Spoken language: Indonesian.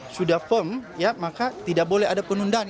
sudah firm ya maka tidak boleh ada penundaan